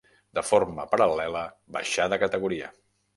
De forma paral·lela baixà de categoria.